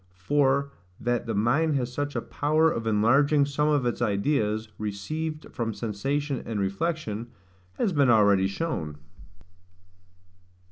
For that the mind has such a power of enlarging some of its ideas, received from sensation and reflection, has been already shown.